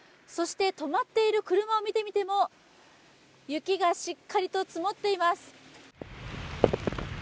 止まっている車を見ても雪がしっかりと積もっています。